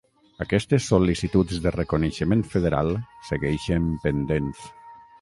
Aquestes sol·licituds de reconeixement federal segueixen pendents.